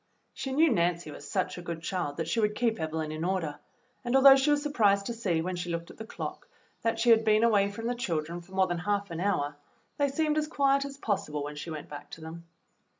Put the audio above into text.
She knew Nancy was such a good child that she would keep Evelyn in order, and although she was surprised to see, when she looked at the clock, that she had been away from the children for more than half an hour, they seemed as quiet as possible when she went back to them.